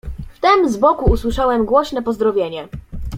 "Wtem z boku usłyszałem głośne pozdrowienie."